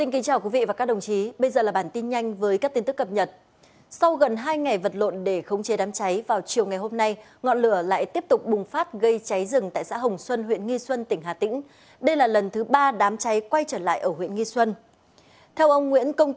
hãy đăng ký kênh để ủng hộ kênh của chúng mình nhé